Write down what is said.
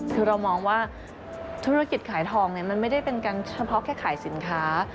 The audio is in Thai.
คือเรามองว่าธุรกิจขายทองมันไม่ได้เป็นการเฉพาะแค่ขายสินค้า